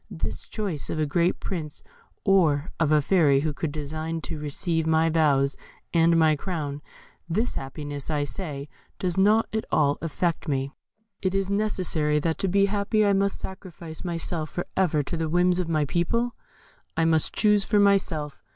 This choice of a great princess or of a fairy who would deign to receive my vows and my crown this happiness, I say, does not at all affect me. Is it necessary that to be happy I must sacrifice myself for ever to the whims of my people? I must choose for myself.